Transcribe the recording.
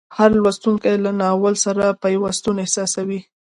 هر لوستونکی له ناول سره پیوستون احساسوي.